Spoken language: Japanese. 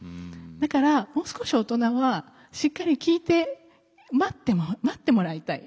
だからもう少し大人はしっかり聞いて待ってもらいたい。